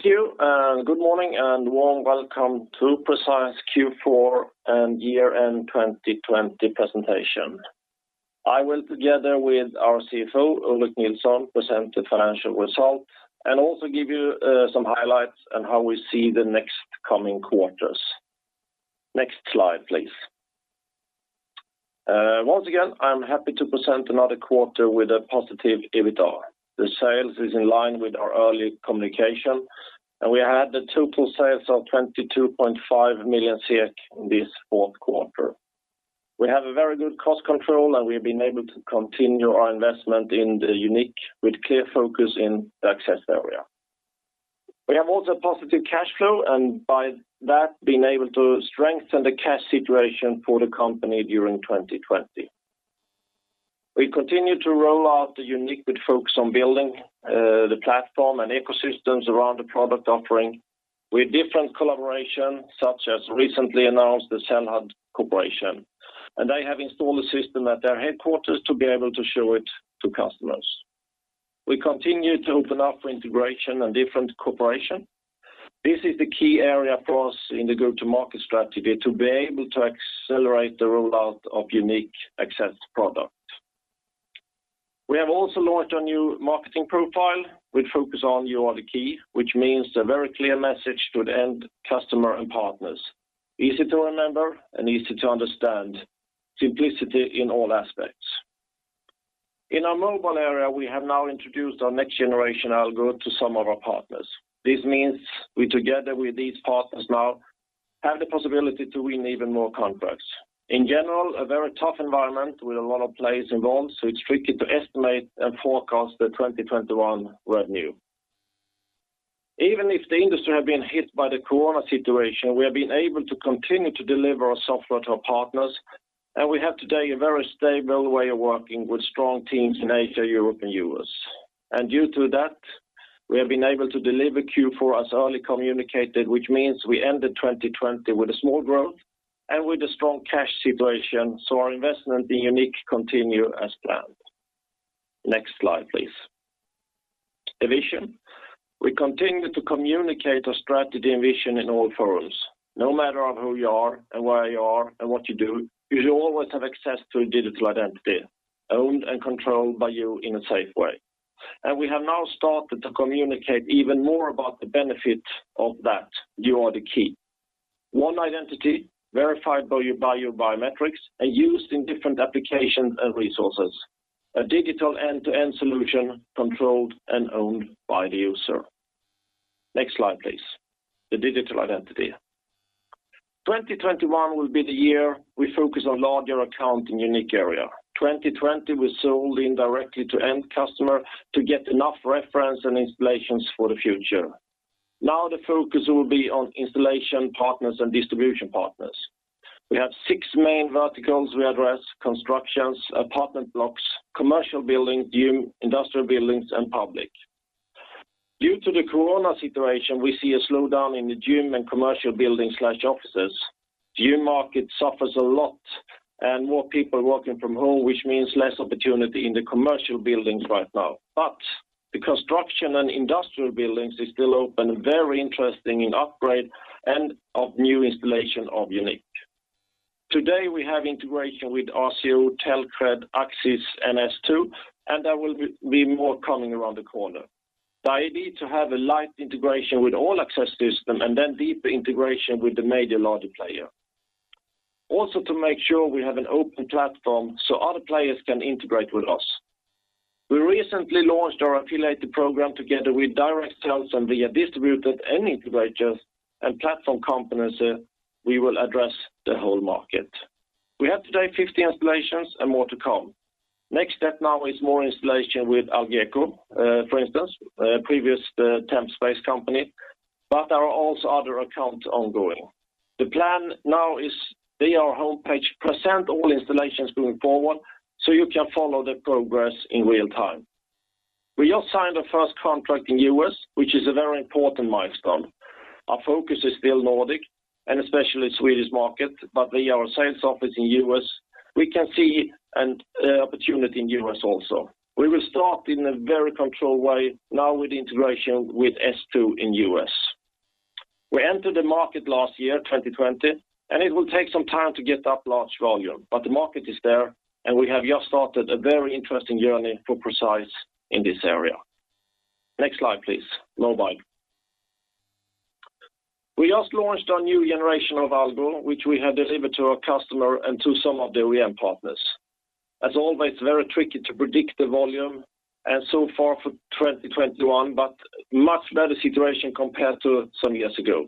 Thank you. Good morning and warm welcome to Precise Q4 and year-end 2020 presentation. I will, together with our CFO, Ulrik Nilsson, present the financial results and also give you some highlights on how we see the next coming quarters. Next slide, please. Once again, I'm happy to present another quarter with a positive EBITDA. The sales is in line with our early communication, and we had the total sales of 22.5 million in this fourth quarter. We have a very good cost control, and we've been able to continue our investment in the YOUNiQ with clear focus in the access area. We have also positive cash flow, and by that, been able to strengthen the cash situation for the company during 2020. We continue to roll out the YOUNiQ with focus on building the platform and ecosystems around the product offering with different collaboration, such as recently announced the. They have installed a system at their headquarters to be able to show it to customers. We continue to open up for integration and different cooperation. This is the key area for us in the go-to-market strategy, to be able to accelerate the rollout of YOUNiQ access product. We have also launched a new marketing profile with focus on YOU are the key, which means a very clear message to the end customer and partners. Easy to remember and easy to understand. Simplicity in all aspects. In our mobile area, we have now introduced our next generation algorithm to some of our partners. This means we, together with these partners now, have the possibility to win even more contracts. In general, a very tough environment with a lot of players involved, so it's tricky to estimate and forecast the 2021 revenue. Even if the industry have been hit by the coronavirus situation, we have been able to continue to deliver our software to our partners, and we have today a very stable way of working with strong teams in Asia, Europe, and U.S. Due to that, we have been able to deliver Q4 as early communicated, which means we ended 2020 with a small growth and with a strong cash situation, so our investment in YOUNiQ continue as planned. Next slide, please. The vision. We continue to communicate our strategy and vision in all forums. No matter who you are and where you are and what you do, you should always have access to a digital identity owned and controlled by you in a safe way. We have now started to communicate even more about the benefit of that. YOU are the key. One identity verified by your biometrics and used in different applications and resources. A digital end-to-end solution controlled and owned by the user. Next slide, please. The Digital Identity. 2021 will be the year we focus on larger account in YOUNiQ area. 2020, we sold indirectly to end customer to get enough reference and installations for the future. The focus will be on installation partners and distribution partners. We have six main verticals we address: constructions, apartment blocks, commercial buildings, gym, industrial buildings, and public. Due to the coronavirus situation, we see a slowdown in the gym and commercial buildings/offices. Gym market suffers a lot and more people working from home, which means less opportunity in the commercial buildings right now. The construction and industrial buildings is still open and very interesting in upgrade and of new installation of YOUNiQ. Today, we have integration with RCO, Telcred, Axis, and S2, and there will be more coming around the corner. The idea is to have a light integration with all access system and then deeper integration with the major larger player. To make sure we have an open platform so other players can integrate with us. We recently launched our affiliate program together with direct sales and via distributed end integrators and platform companies, we will address the whole market. We have today 50 installations and more to come. Next step now is more installation with Algeco, for instance, previous temp space company, but there are also other accounts ongoing. The plan now is via our homepage present all installations going forward, so you can follow the progress in real time. We all signed the first contract in U.S., which is a very important milestone. Our focus is still Nordic and especially Swedish market, but via our sales office in U.S., we can see an opportunity in U.S. also. We will start in a very controlled way now with integration with S2 in U.S. We entered the market last year, 2020, and it will take some time to get up large volume, but the market is there, and we have just started a very interesting journey for Precise in this area. Next slide, please. Mobile. We just launched our new generation of algorithm, which we have delivered to our customer and to some of the re-ents partners. As always, it's very tricky to predict the volume and so far for 2021. Much better situation compared to some years ago.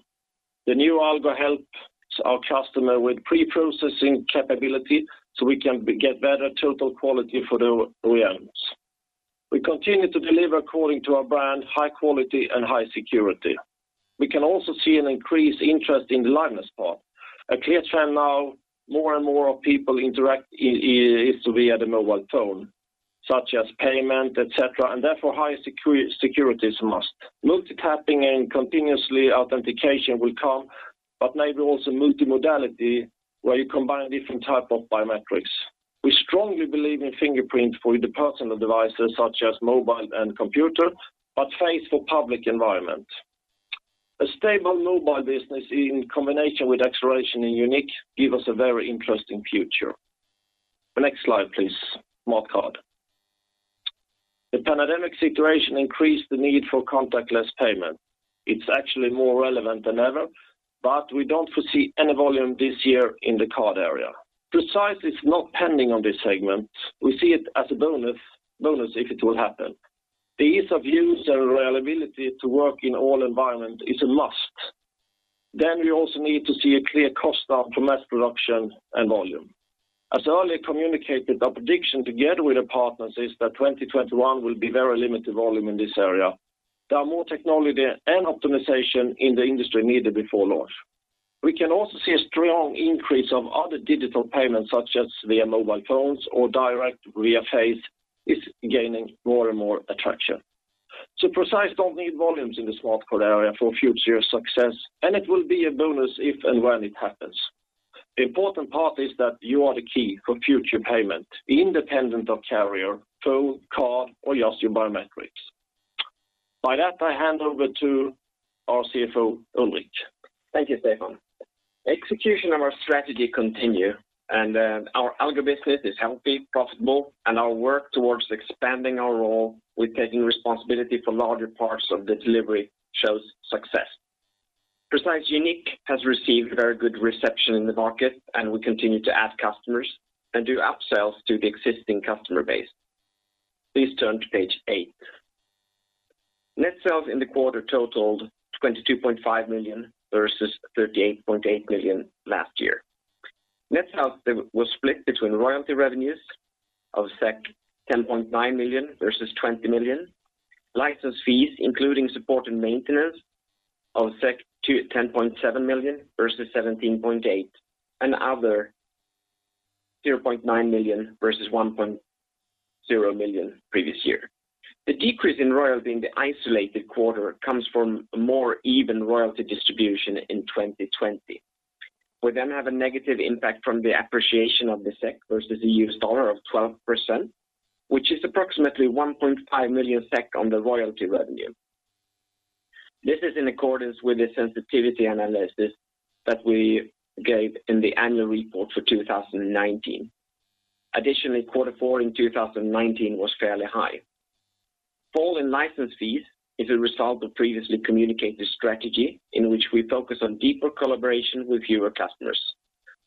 The new algorithm helps our customer with pre-processing capability. We can get better total quality for the re-ents. We continue to deliver according to our brand, high quality and high security. We can also see an increased interest in the liveness part. A clear trend now, more and more of people interact is via the mobile phone, such as payment, et cetera. Therefore, higher security is a must. Multi-tapping and continuously authentication will come. Maybe also multi-modality, where you combine different type of biometrics. We strongly believe in fingerprints for the personal devices such as mobile and computer. Face for public environment. A stable mobile business in combination with acceleration in YOUNiQ give us a very interesting future. The next slide, please. Smart card. The pandemic situation increased the need for contactless payment. It's actually more relevant than ever, we don't foresee any volume this year in the card area. Precise is not pending on this segment. We see it as a bonus if it will happen. The ease of use and reliability to work in all environment is a must. We also need to see a clear cost down to mass production and volume. As earlier communicated, our prediction together with the partners is that 2021 will be very limited volume in this area. There are more technology and optimization in the industry needed before launch. We can also see a strong increase of other digital payments such as via mobile phones or direct via face is gaining more and more attraction. Precise don't need volumes in the smart card area for future success, and it will be a bonus if and when it happens. The important part is that you are the key for future payment, independent of carrier, phone, card or just your biometrics. By that, I hand over to our CFO, Ulrik. Thank you, Stefan. Execution of our strategy continue and our Algo business is healthy, profitable, and our work towards expanding our role with taking responsibility for larger parts of the delivery shows success. YOUNiQ has received very good reception in the market, and we continue to add customers and do up-sales to the existing customer base. Please turn to page eight. Net sales in the quarter totaled 22.5 million versus 38.8 million last year. Net sales was split between royalty revenues of 10.9 million versus 20 million, license fees, including support and maintenance of 10.7 million versus 17.8 million, and other 0.9 million versus 1.0 million previous year. The decrease in royalty in the isolated quarter comes from a more even royalty distribution in 2020. We have a negative impact from the appreciation of the SEK versus the US dollar of 12%, which is approximately 1.5 million SEK on the royalty revenue. This is in accordance with the sensitivity analysis that we gave in the annual report for 2019. Additionally, quarter four in 2019 was fairly high. Fall in license fees is a result of previously communicated strategy in which we focus on deeper collaboration with fewer customers.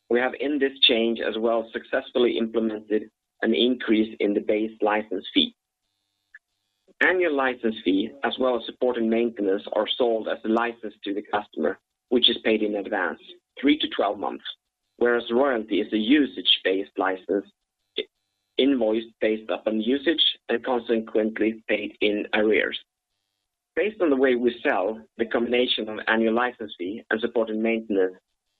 We have in this change as well successfully implemented an increase in the base license fee. Annual license fee as well as support and maintenance are sold as a license to the customer, which is paid in advance three-12 months, whereas royalty is a usage-based license, invoiced based upon usage and consequently paid in arrears. Based on the way we sell the combination of annual license fee and support and maintenance,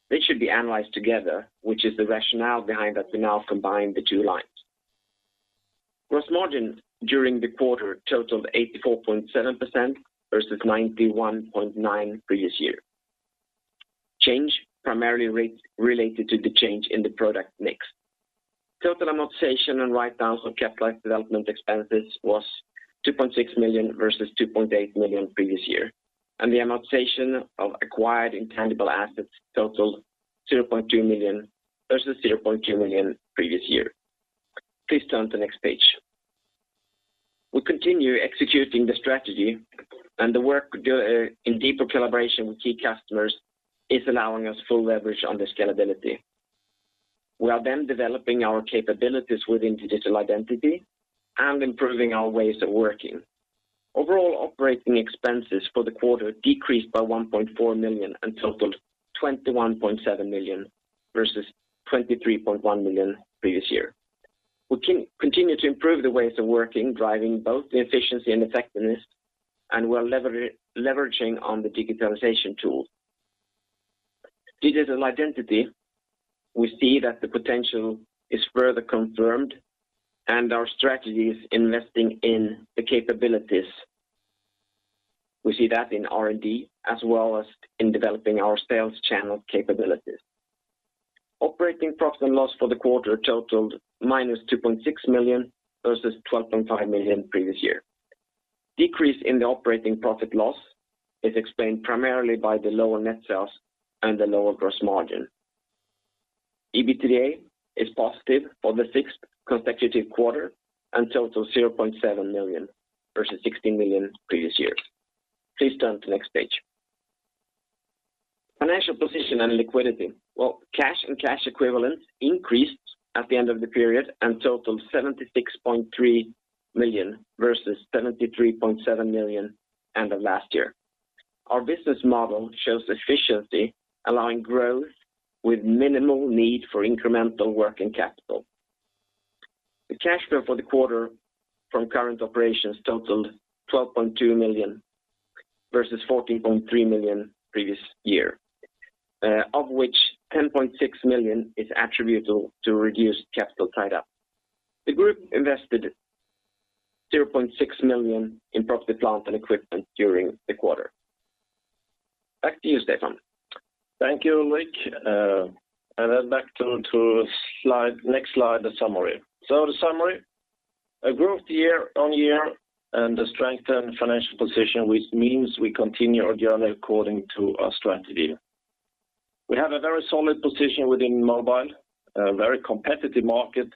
they should be analyzed together, which is the rationale behind that we now combine the two lines. Gross margin during the quarter totaled 84.7% versus 91.9% previous year. Change primarily related to the change in the product mix. Total amortization and write-downs on capitalized development expenses was 2.6 million versus 2.8 million previous year, and the amortization of acquired intangible assets totaled 0.2 million versus 0.2 million previous year. Please turn to the next page. We continue executing the strategy and the work in deeper collaboration with key customers is allowing us full leverage on the scalability. We are developing our capabilities within Digital Identity and improving our ways of working. Overall operating expenses for the quarter decreased by 1.4 million and totaled 21.7 million versus 23.1 million previous year. We continue to improve the ways of working, driving both the efficiency and effectiveness, and we're leveraging on the digitalization tools. Digital Identity, we see that the potential is further confirmed and our strategy is investing in the capabilities. We see that in R&D as well as in developing our sales channel capabilities. Operating profit and loss for the quarter totaled minus 2.6 million versus 12.5 million previous year. Decrease in the operating profit loss is explained primarily by the lower net sales and the lower gross margin. EBITDA is positive for the sixth consecutive quarter and totals 0.7 million versus 16 million previous year. Please turn to next page. Financial position and liquidity. Well, cash and cash equivalents increased at the end of the period and totaled 76.3 million versus 73.7 million end of last year. Our business model shows efficiency, allowing growth with minimal need for incremental working capital. The cash flow for the quarter from current operations totaled 12.2 million versus 14.3 million previous year, of which 10.6 million is attributable to reduced capital tied up. The group invested 0.6 million in property, plant, and equipment during the quarter. Back to you, Stefan. Thank you, Ulrik. Back to next slide, the summary. The summary, a growth year-on-year and a strengthened financial position, which means we continue our journey according to our strategy. We have a very solid position within mobile, a very competitive market,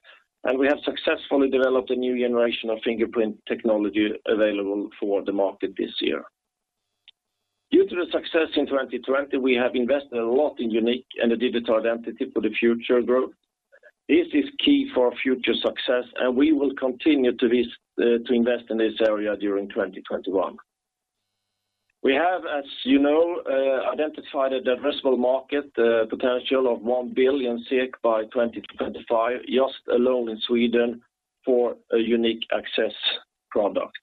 and we have successfully developed a new generation of fingerprint technology available for the market this year. Due to the success in 2020, we have invested a lot in YOUNiQ and the digital identity for the future growth. This is key for our future success, and we will continue to invest in this area during 2021. We have, as you know, identified an addressable market potential of 1 billion by 2025, just alone in Sweden for a unique access product.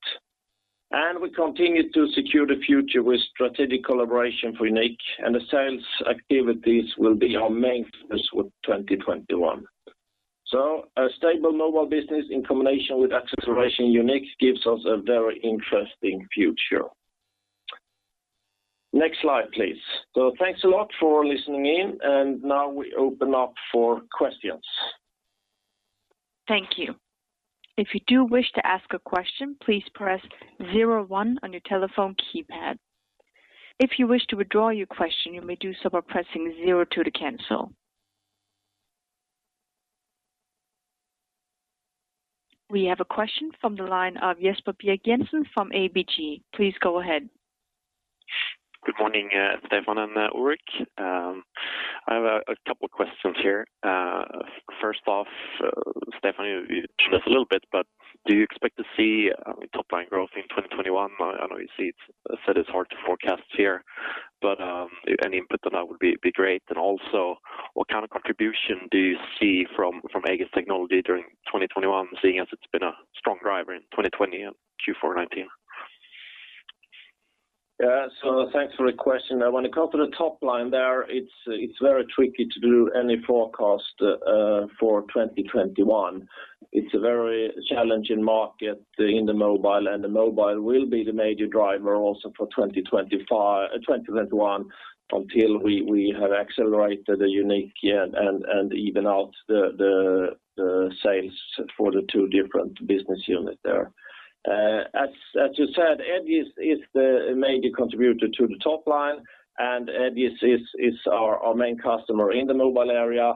We continue to secure the future with strategic collaboration for YOUNiQ and the sales activities will be our main focus with 2021. A stable mobile business in combination with acceleration in YOUNiQ gives us a very interesting future. Next slide, please. Thanks a lot for listening in, and now we open up for questions. Thank you. If you do wish to ask a question, please press zero one on your telephone keypad. If you wish to withdraw your question, you may do so by pressing zero two to cancel. We have a question from the line of Jesper Birch-Jensen from ABG. Please go ahead. Good morning, Stefan and Ulrik. I have a couple questions here. First off, Stefan, you touched a little bit. Do you expect to see top line growth in 2021? I know you said it's hard to forecast here. Any input on that would be great. Also, what kind of contribution do you see from Egis Technology during 2021, seeing as it's been a strong driver in 2020 and Q4 2019? Thanks for the question. When it comes to the top line there, it's very tricky to do any forecast for 2021. It's a very challenging market in the mobile. The mobile will be the major driver also for 2021 until we have accelerated the YOUNiQ and even out the sales for the two different business units there. As you said, Egis is the major contributor to the top line. Egis is our main customer in the mobile area.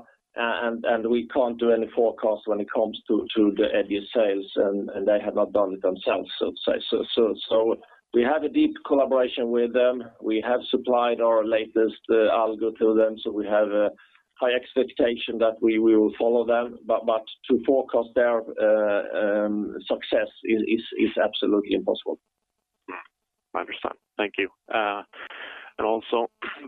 We can't do any forecast when it comes to the Egis sales and they have not done it themselves. We have a deep collaboration with them. We have supplied our latest Algo to them. We have a high expectation that we will follow them. To forecast their success is absolutely impossible. I understand. Thank you. Also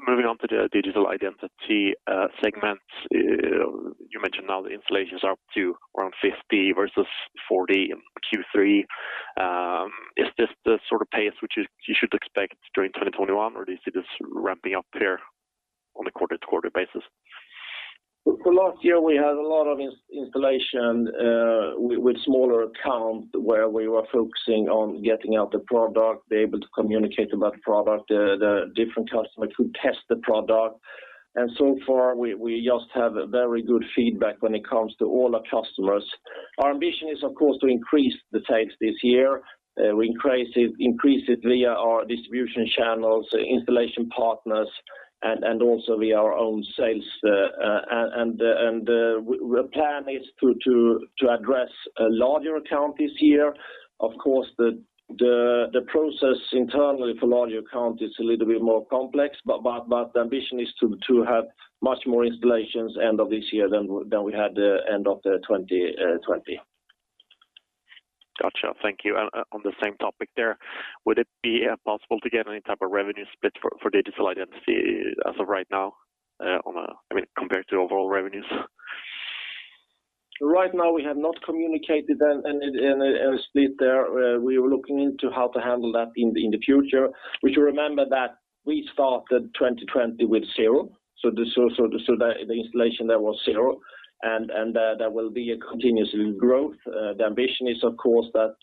moving on to the Digital Identity Segment. You mentioned now the installations are up to around 50 versus 40 in Q3. Is this the sort of pace which you should expect during 2021, or do you see this ramping up here on a quarter-to-quarter basis? For last year, we had a lot of installation with smaller accounts where we were focusing on getting out the product, be able to communicate about the product, the different customers who test the product. So far, we just have very good feedback when it comes to all our customers. Our ambition is, of course, to increase the sales this year. We increase it via our distribution channels, installation partners, and also via our own sales. The plan is to address a larger account this year. Of course, the process internally for larger account is a little bit more complex, but the ambition is to have much more installations end of this year than we had end of 2020. Got you. Thank you. On the same topic there, would it be possible to get any type of revenue split for Digital Identity as of right now, compared to overall revenues? Right now, we have not communicated any split there. We are looking into how to handle that in the future. We should remember that we started 2020 with zero, so the installation there was zero, and that will be a continuous growth. The ambition is, of course, that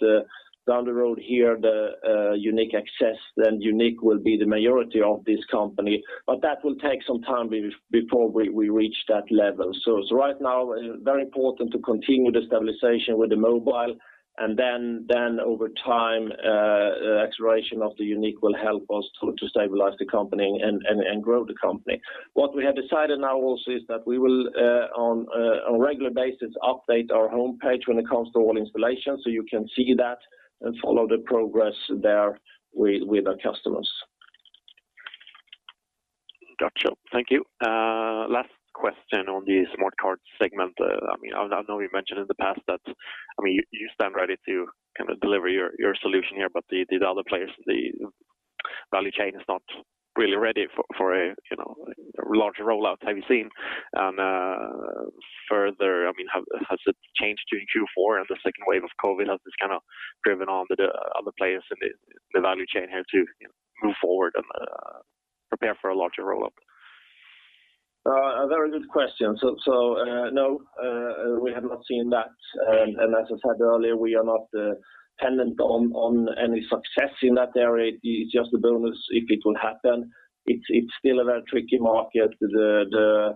down the road here, the Precise Access, then YOUNiQ will be the majority of this company, but that will take some time before we reach that level. Right now, very important to continue the stabilization with the mobile, and then over time, acceleration of the YOUNiQ will help us to stabilize the company and grow the company. What we have decided now also is that we will, on a regular basis, update our homepage when it comes to all installations, so you can see that and follow the progress there with our customers. Got you. Thank you. Last question on the smart card segment. I know you mentioned in the past that you stand ready to kind of deliver your solution here, but the other players, the value chain is not really ready for a larger rollout have you seen. Further, has it changed during Q4 as the second wave of COVID, has this kind of driven all the other players in the value chain here to move forward and prepare for a larger rollout? A very good question. No, we have not seen that. As I said earlier, we are not dependent on any success in that area. It's just a bonus if it will happen. It's still a very tricky market. The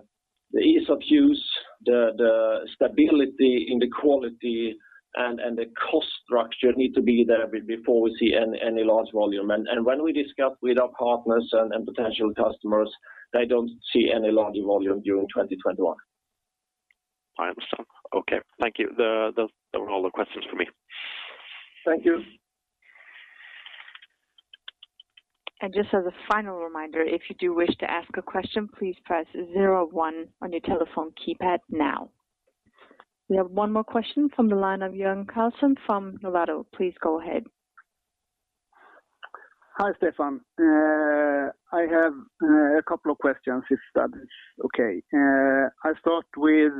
ease of use, the stability in the quality, and the cost structure need to be there before we see any large volume. When we discuss with our partners and potential customers, they don't see any large volume during 2021. I understand. Okay. Thank you. Those were all the questions for me. Thank you. Just as a final reminder, if you do wish to ask a question, please press zero one on your telephone keypad now. We have one more question from the line of Jan Grapengiess from Redeye. Please go ahead. Hi, Stefan. I have a couple of questions, if that is okay. I start with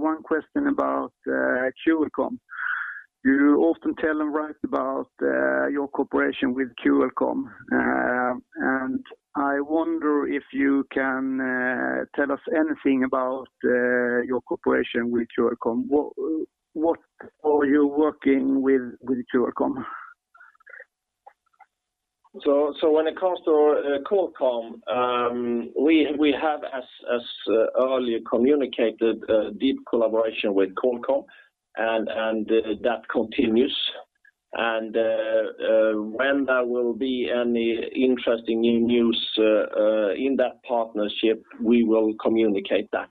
one question about Qualcomm. You often tell and write about your cooperation with Qualcomm, and I wonder if you can tell us anything about your cooperation with Qualcomm. What are you working with Qualcomm? When it comes to Qualcomm, we have, as earlier communicated, a deep collaboration with Qualcomm, and that continues. When there will be any interesting new news in that partnership, we will communicate that.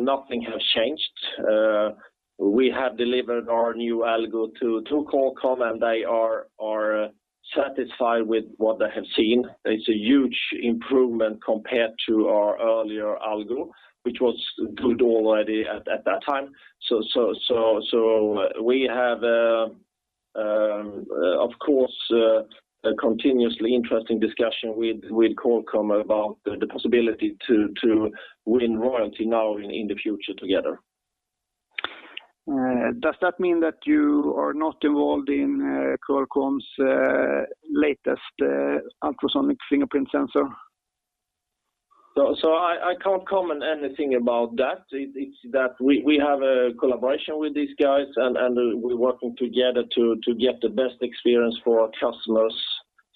Nothing has changed. We have delivered our new Algo to Qualcomm, and they are satisfied with what they have seen. It's a huge improvement compared to our earlier Algo, which was good already at that time. We have, of course, a continuously interesting discussion with Qualcomm about the possibility to win royalty now and in the future together. Does that mean that you are not involved in Qualcomm's latest ultrasonic fingerprint sensor? I can't comment anything about that. It's that we have a collaboration with these guys, and we're working together to get the best experience for our customers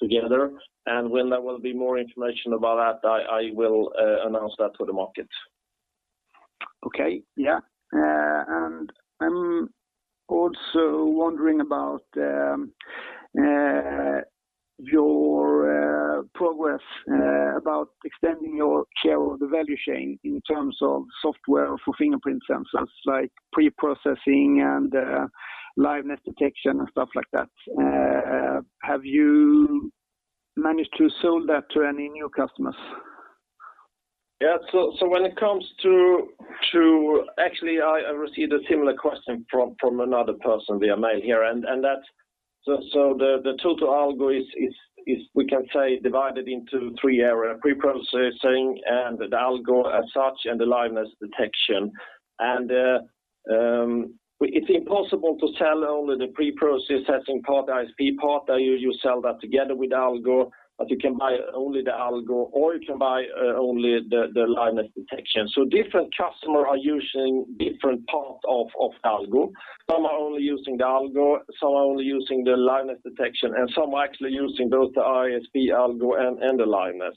together. When there will be more information about that, I will announce that to the market. Okay. Yeah. I'm also wondering about your progress about extending your share of the value chain in terms of software for fingerprint sensors like pre-processing and liveness detection and stuff like that. Have you managed to sell that to any new customers? Yeah. Actually, I received a similar question from another person via mail here. The total Algo is, we can say, divided into three areas: pre-processing and the Algo as such, and the liveness detection. It is impossible to sell only the pre-processing part, ISP part. You sell that together with Algo, but you can buy only the Algo, or you can buy only the liveness detection. Different customers are using different parts of Algo. Some are only using the Algo, some are only using the liveness detection, and some are actually using both the ISP Algo and the liveness.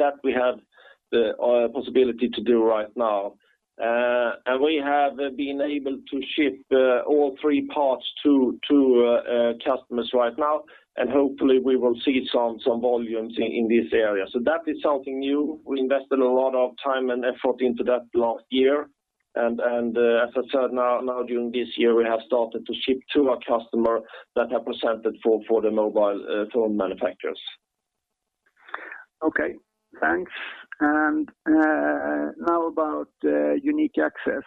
That we have the possibility to do right now. We have been able to ship all three parts to customers right now, and hopefully we will see some volumes in this area. That is something new. We invested a lot of time and effort into that last year. As I said, now during this year, we have started to ship to our customer that have presented for the mobile phone manufacturers. Okay, thanks. Now about YOUNiQ Access.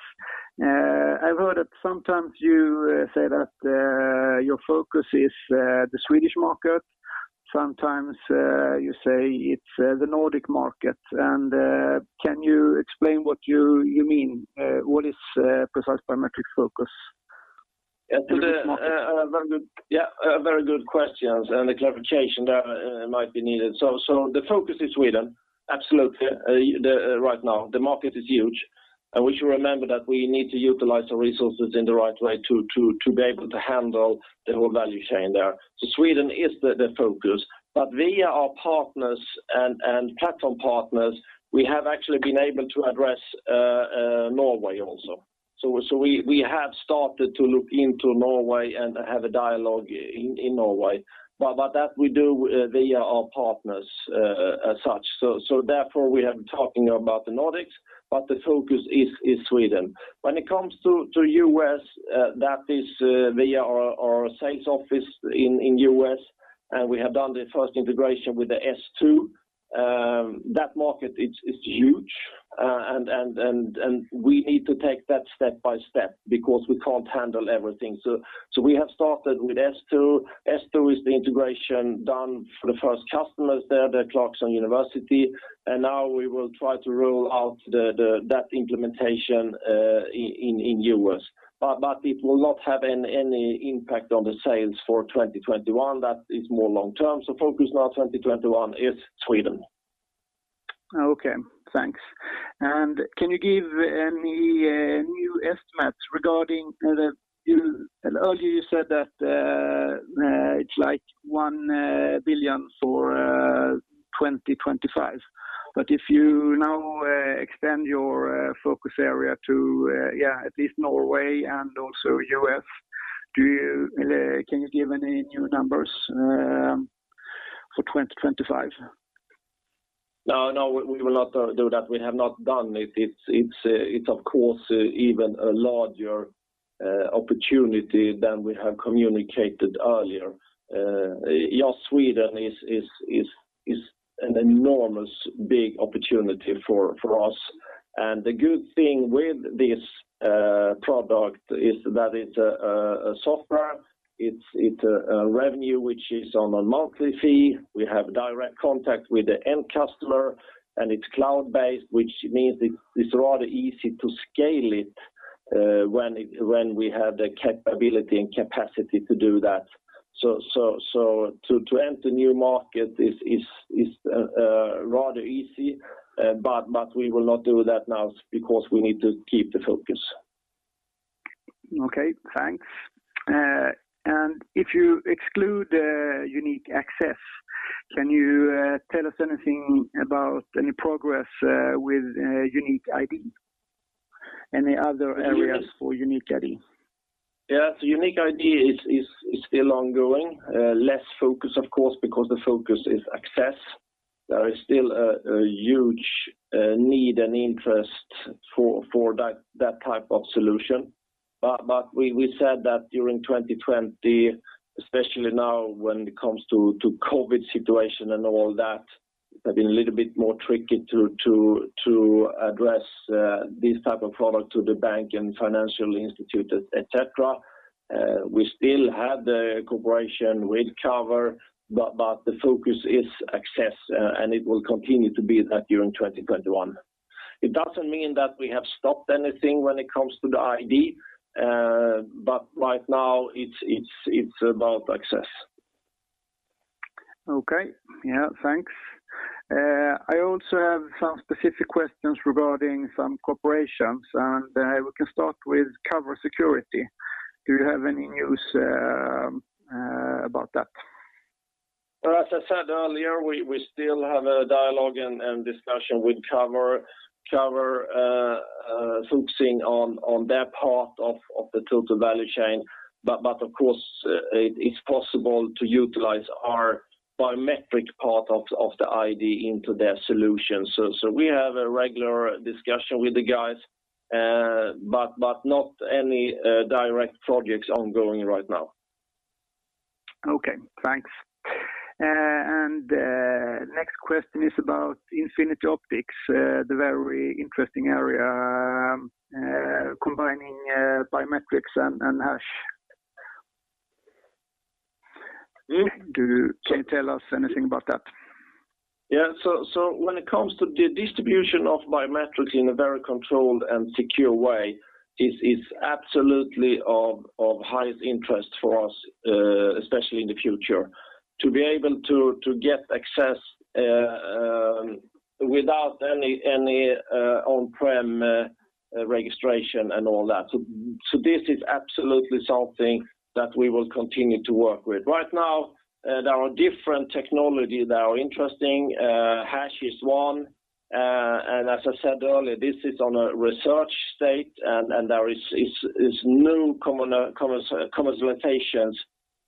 I heard that sometimes you say that your focus is the Swedish market, sometimes you say it's the Nordic market. Can you explain what you mean? What is Precise Biometrics focus? Yeah. A very good question. A clarification that might be needed. The focus is Sweden. Absolutely, right now. The market is huge. We should remember that we need to utilize the resources in the right way to be able to handle the whole value chain there. Sweden is the focus. Via our partners and platform partners, we have actually been able to address Norway also. We have started to look into Norway and have a dialogue in Norway. That we do via our partners as such. Therefore we are talking about the Nordics. The focus is Sweden. When it comes to U.S., that is via our sales office in U.S. We have done the first integration with the S2. That market is huge. We need to take that step by step because we can't handle everything. We have started with S2. S2 is the integration done for the first customers there, the Clarkson University, and now we will try to roll out that implementation in U.S. It will not have any impact on the sales for 2021. That is more long-term. Focus now 2021 is Sweden. Okay, thanks. Can you give any new estimates regarding the Earlier you said that it's like 1 billion for 2025, but if you now extend your focus area to at least Norway and also U.S., can you give any new numbers for 2025? No, we will not do that. We have not done it. It's of course even a larger opportunity than we have communicated earlier. Just Sweden is an enormous big opportunity for us. The good thing with this product is that it's a software, it's a revenue which is on a monthly fee. We have direct contact with the end customer, and it's cloud-based, which means it's rather easy to scale it when we have the capability and capacity to do that. To enter new market is rather easy. We will not do that now because we need to keep the focus. Okay, thanks. If you exclude Precise Access, can you tell us anything about any progress with YOUNiQ? Any other areas for YOUNiQ? Yeah. YOUNiQ ID is still ongoing. Less focus, of course, because the focus is access. There is still a huge need and interest for that type of solution. We said that during 2020, especially now when it comes to COVID situation and all that, it has been a little bit more tricky to address this type of product to the bank and financial institute, et cetera. We still have the cooperation with Covr, the focus is access, and it will continue to be that during 2021. It doesn't mean that we have stopped anything when it comes to the ID, right now it's about access. Okay. Yeah, thanks. I also have some specific questions regarding some corporations. We can start with Covr Security. Do you have any news about that? As I said earlier, we still have a dialogue and discussion with Covr. Covr focusing on their part of the total value chain. Of course, it's possible to utilize our biometric part of the ID into their solution. We have a regular discussion with the guys, but not any direct projects ongoing right now. Okay, thanks. Next question is about Infinity Optics, the very interesting area, combining biometrics and hash. Can you tell us anything about that? Yeah. When it comes to the distribution of biometrics in a very controlled and secure way is absolutely of highest interest for us, especially in the future, to be able to get access without any on-prem registration and all that. This is absolutely something that we will continue to work with. Right now, there are different technologies that are interesting. hash is one, and as I said earlier, this is on a research state, and there is no commercializations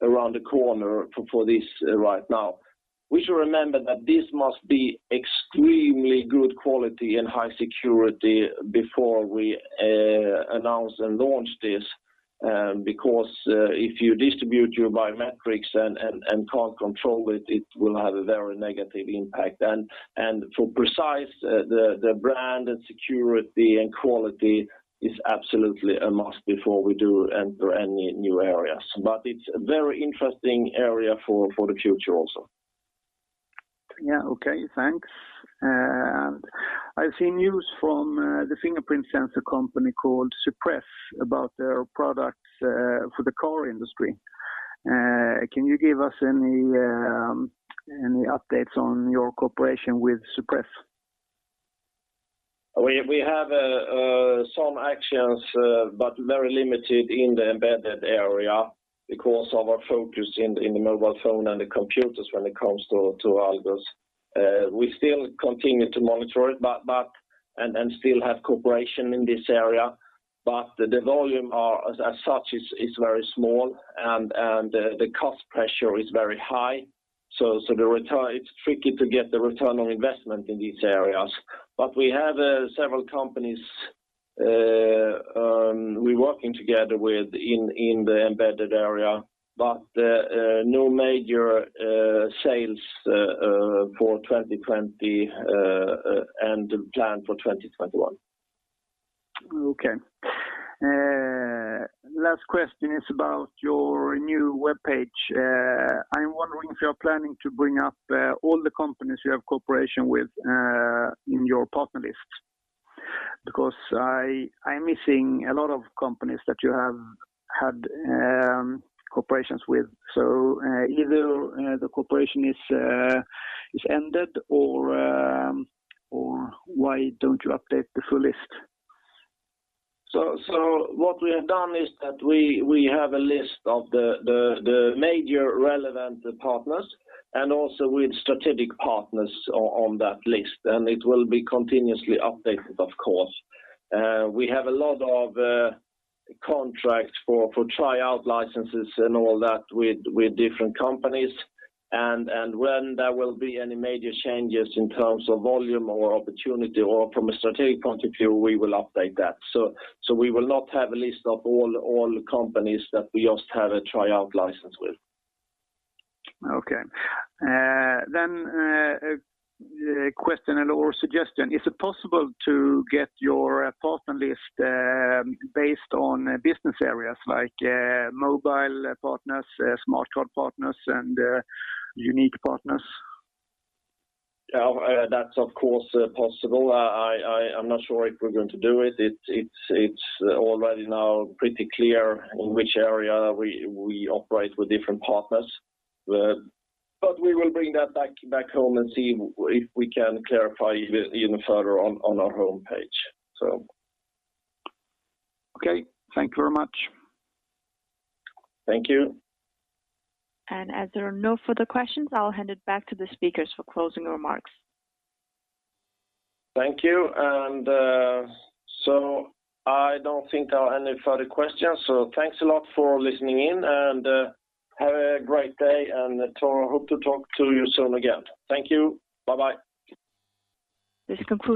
around the corner for this right now. We should remember that this must be extremely good quality and high security before we announce and launch this. Because if you distribute your biometrics and can't control it will have a very negative impact. For Precise, the brand and security and quality is absolutely a must before we do enter any new areas. It's a very interesting area for the future also. Yeah. Okay, thanks. I've seen news from the fingerprint sensor company called Suprema about their products for the car industry. Can you give us any updates on your cooperation with Suprema? We have some actions, but very limited in the embedded area because of our focus in the mobile phone and the computers when it comes to Algos. We still continue to monitor it and still have cooperation in this area. The volume as such is very small, and the cost pressure is very high. It's tricky to get the ROI in these areas. We have several companies we working together with in the embedded area, but no major sales for 2020 and plan for 2021. Okay. Last question is about your new webpage. I'm wondering if you're planning to bring up all the companies you have cooperation with in your partner list. Because I'm missing a lot of companies that you have had collaborations with. Either the collaboration has ended or why don't you update the full list? What we have done is that we have a list of the major relevant partners and also with strategic partners on that list, and it will be continuously updated, of course. We have a lot of contracts for tryout licenses and all that with different companies. When there will be any major changes in terms of volume or opportunity or from a strategic point of view, we will update that. We will not have a list of all the companies that we just have a tryout license with. Okay. A question or suggestion. Is it possible to get your partner list based on business areas like mobile partners, smart card partners, and YOUNiQ partners? That's of course possible. I'm not sure if we're going to do it. It's already now pretty clear in which area we operate with different partners. We will bring that back home and see if we can clarify even further on our homepage. Okay. Thank you very much. Thank you. As there are no further questions, I'll hand it back to the speakers for closing remarks. Thank you. I don't think there are any further questions. Thanks a lot for listening in and have a great day, and I hope to talk to you soon again. Thank you. Bye bye. This concludes